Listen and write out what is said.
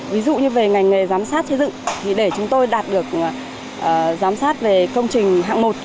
ví dụ như về ngành nghề giám sát xây dựng thì để chúng tôi đạt được giám sát về công trình hạng một